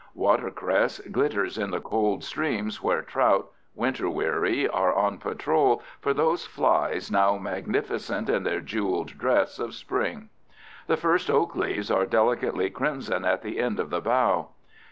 Watercress glitters in the cold streams where trout, winter weary, are on patrol for those flies now magnificent in their jeweled dress of spring. The first oak leaves are delicately crimson at the end of the bough.